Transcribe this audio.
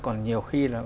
còn nhiều khi là